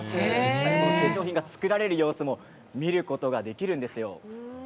化粧品が作られる様子も見ることができるんですよ。